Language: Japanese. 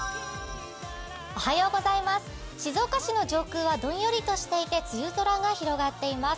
静岡市の上空はどんよりとしていて、梅雨空が広がっています